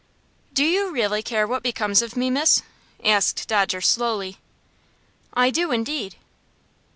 "Do you really care what becomes of me, miss?" asked Dodger, slowly. "I do, indeed."